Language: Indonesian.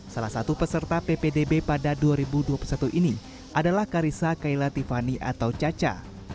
salah satu peserta ppdb pada dua ribu dua puluh satu ini adalah karissa kaila tiffany atau caca